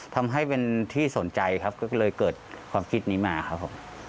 ทำให้เป็นที่สนใจครับก็เลยเกิดความคิดนี้มาครับผม